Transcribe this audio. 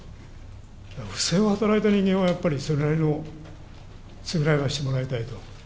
不正を働いた人間はやっぱりそれなりの償いはしてもらいたいと。